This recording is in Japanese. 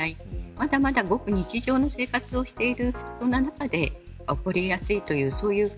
まだまだごく日常の生活をしている中で起こりやすいという。